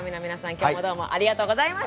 今日もどうもありがとうございました！